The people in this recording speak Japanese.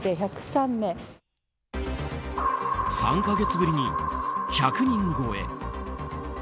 ３か月ぶりに１００人超え。